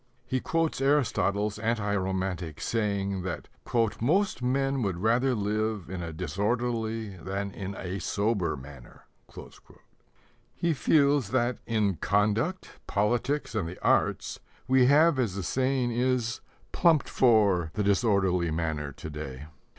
He quotes Aristotle's anti romantic saying that "most men would rather live in a disorderly than in a sober manner." He feels that in conduct, politics, and the arts, we have, as the saying is, "plumped for" the disorderly manner to day.